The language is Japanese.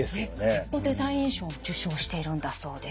グッドデザイン賞も受賞しているんだそうです。